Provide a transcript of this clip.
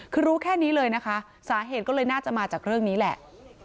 คือรู้แค่นี้เลยนะคะสาเหตุก็เลยน่าจะมาจากเรื่องนี้แหละ